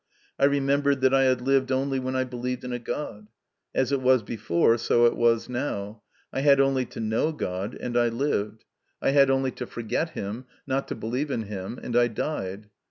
I remembered that I had lived only when I believed in a Gcd. As it was before, so it was now ; I had only to know God, and I lived ; I 114 MY CONFESSION. had only to forget Him, not to believe in Him, and I died.